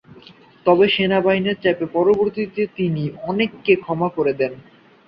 তবে সেনাবাহিনীর চাপে পরবর্তীতে তিনি অনেককে ক্ষমা করে দেন।